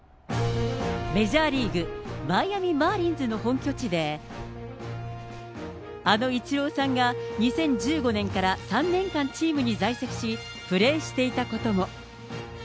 メジャーリーグ・マイアミマーリンズの本拠地で、あのイチローさんが２０１５年から３年間チームに在籍し、プレーしていたことも。